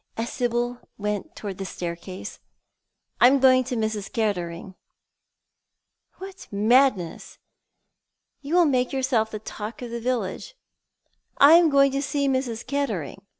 " as Sibyl went towards the staircase. " I am going to Mrs. Kettering." "What madness! You will make yourself the talk of the village." "I am going to see Mrs. Kettering.